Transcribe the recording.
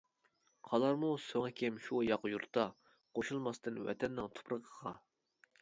قالارمۇ سۆڭىكىم شۇ ياقا يۇرتتا، قوشۇلماستىن ۋەتەننىڭ تۇپرىقىغا.